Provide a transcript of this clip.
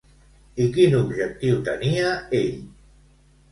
I quin objectiu tenia ell?